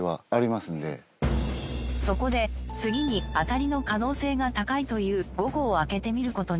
そこで次にあたりの可能性が高いという５個を開けてみる事に。